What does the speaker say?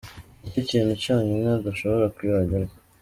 Ni cyo kintu cyonyine adashobora kwibagirwa.